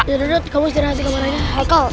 iya dodot kamu istirahat di kamar aja haikal